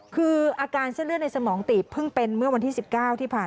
คืออาการเส้นเลือดในสมองตีบเพิ่งเป็นเมื่อวันที่๑๙ที่ผ่าน